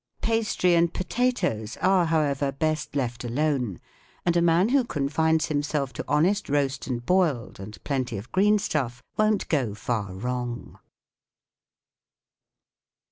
Pastry and potatoes are, however, best left, alone, and a man who confines himself to honest roast and boiled and plenty of green stuff won't go far wrong.